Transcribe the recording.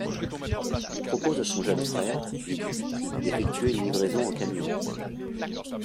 Il propose à son jeune frère, Billy, d'effectuer une livraison en camion.